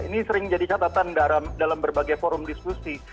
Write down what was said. ini sering jadi catatan dalam berbagai forum diskusi